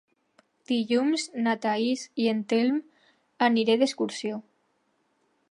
Dilluns na Thaís i en Telm aniré d'excursió.